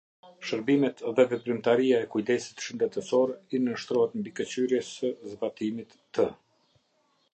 Shërbimet dhe veprimtaria e kujdesit shëndetësor i nënshtrohet mbikëqyrjes së zbatimit të.